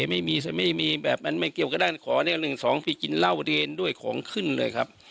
ไม่มีไม่มีแบบมันไม่เกี่ยวกับด้านขอเนี่ย๑๒ปีกินเหล้าเรียนด้วยของขึ้นเลยครับ